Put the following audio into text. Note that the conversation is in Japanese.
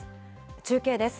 中継です。